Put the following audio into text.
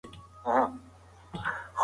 تنبلي د انسان دښمن ده.